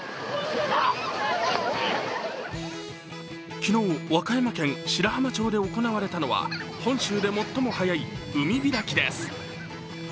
昨日、和歌山県白浜町で行われたのは、本州で最も早い海開きです。